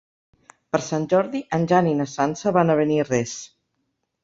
Per Sant Jordi en Jan i na Sança van a Beniarrés.